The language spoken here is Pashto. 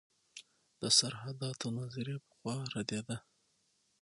د سرحداتو نظریه پخوا ردېده.